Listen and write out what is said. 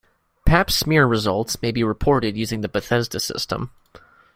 Pap smear results may be reported using the Bethesda System.